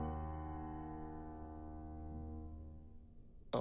あ。